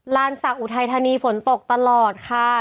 ศักดิ์อุทัยธานีฝนตกตลอดค่ะ